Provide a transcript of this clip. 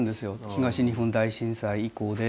東日本大震災以降で。